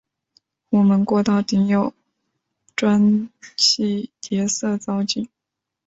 壸门过道顶有砖砌叠涩藻井。